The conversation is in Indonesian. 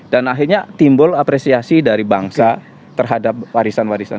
dan akhirnya timbul apresiasi dari bangsa terhadap warisan warisan ini